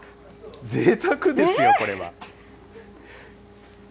ぜいたくですよ、これは。